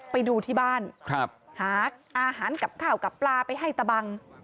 ไปดูที่บ้านหาอาหารกับข้าวกับปลาไปให้ตะบัง